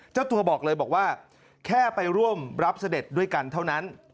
เจ้าตัวบอกเลยบอกว่าแค่ไปร่วมรับเสด็จด้วยกันเท่านั้น